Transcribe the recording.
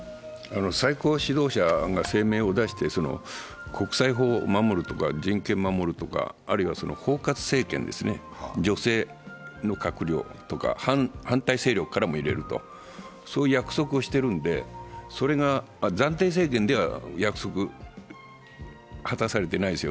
最高指導者が声明を出して国際法を守るとか人権を守るとか、あるいは包括政権ですね、女性の閣僚とか、反対勢力からも入れるとか、そういう約束をしているので、暫定政権では約束果たされていないんですよ